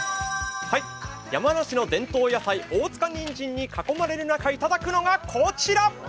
山梨の伝統野菜、大塚にんじんに囲まれる中いただくのがこちら。